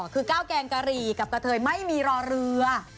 คือก้าวแกงกะหรี่กับกะเทยไม่มีรอเรือ